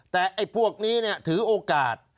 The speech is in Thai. แต่ไอ้พวกนี้ถือโอกาส